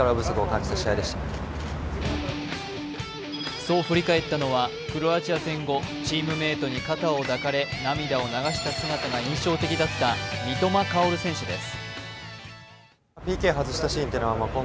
そう振り返ったのはクロアチア戦後チームメートに肩を抱かれ涙を流した姿が印象的だった三笘薫選手です。